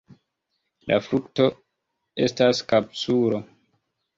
La frukto estas kapsulo.